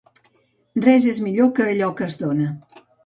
Res és millor que allò que es dóna.